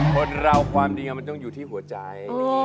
คนเราความดีมันต้องอยู่ที่หัวใจ